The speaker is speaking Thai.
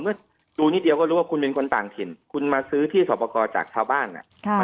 เมื่อดูนิดเดียวก็รู้ว่าคุณเป็นคนต่างถิ่นคุณมาซื้อที่สอบประกอบจากชาวบ้าน